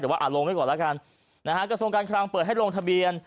แต่ว่าลงไว้ก่อนแล้วกันนะฮะกระทรวงการคลังเปิดให้ลงทะเบียน